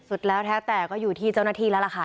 สุดแล้วแท้แต่ก็อยู่ที่เจ้าหน้าที่แล้วล่ะค่ะ